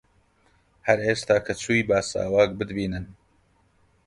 هەر ئێستا کە چووی با ساواک بتبینن